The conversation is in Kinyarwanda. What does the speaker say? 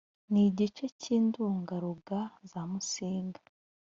n’igice k’indugaruga za musinga